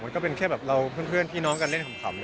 ก็เป็นแค่แบบเราเพื่อนพี่น้องกันเล่นขำ